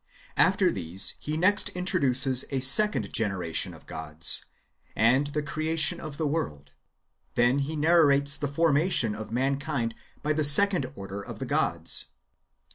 After these he next introduces a second generation of gods, and the creation of the world ; then he narrates the formation of mankind by the second order of the gods.